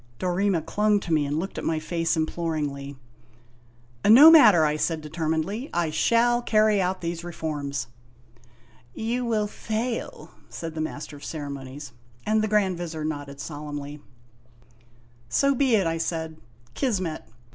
Dorema clung to me and looked at my face imploringly. "No matter," I said determinedly; "I shall carry out these reforms." "You will fail," said the Master of Ceremonies, and the Grand Vizir nodded solemnly. THE SEQUEL 6l " So be it !' I said. " Kismet.